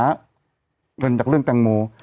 เรื่องจากแตงโม